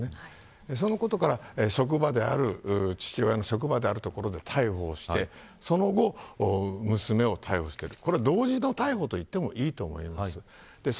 そのことから職場である父親の職場である所で父を逮捕してその後に、娘を逮捕してという同時の逮捕といってもいいと思います。